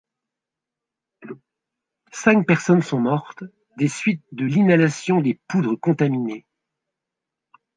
Cinq personnes sont mortes des suites de l'inhalation des poudres contaminées.